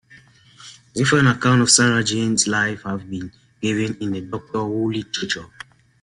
Different accounts of Sarah Jane's life have been given in the "Doctor Who" literature.